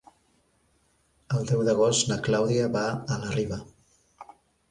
El deu d'agost na Clàudia va a la Riba.